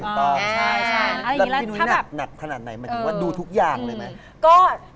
แล้วพี่นุ้ยหนัดขนาดไหนหมายถึงว่าดูทุกอย่างเลยไหม